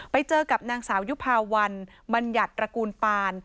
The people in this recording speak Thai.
ไปเจอกับนางสาวยุภาวันบัญญัติตระกูลปาน